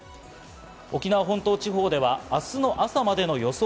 沖縄本島地方では明日の朝までの予想